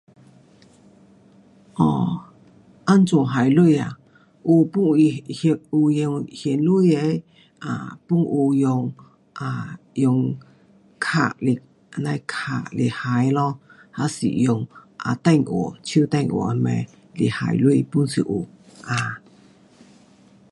哦，怎样还钱啊，有分那有用现钱的，啊，pun 有用啊，用卡来这样的卡来还咯。还是用电话，手电话那边来还钱 pun 是有。啊